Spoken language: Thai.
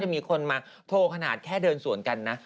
มีคนมาโทรขนาดแค่เดินสวนกันนะ